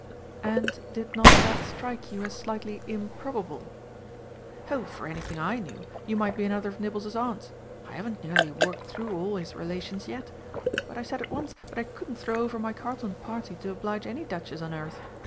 "And did not that strike you as slightly improbable?" "Oh, for anything I knew, you might be another of Nibbles's aunts. I haven't nearly worked through all his relations yet. But I said at once that I couldn't throw over my Carlton party to oblige any Duchess on earth.